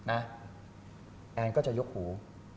แอนก็จะยกหู